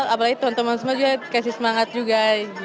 apalagi teman teman semua juga dikasih semangat juga